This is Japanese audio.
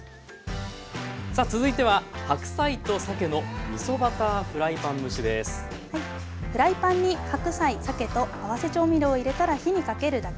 さあ続いてはフライパンに白菜さけと合わせ調味料を入れたら火にかけるだけ。